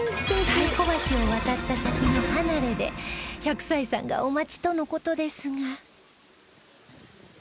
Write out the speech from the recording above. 太鼓橋を渡った先の離れで１００歳さんがお待ちとの事ですが